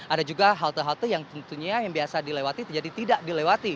ada juga halte halte yang tentunya yang biasa dilewati jadi tidak dilewati